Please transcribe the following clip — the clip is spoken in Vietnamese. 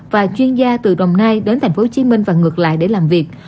và chuyên gia từ đồng nai đến tp hcm và ngược lại để làm việc